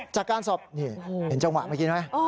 จากการสอบนี่เป็นจังหวะไม่คิดไหม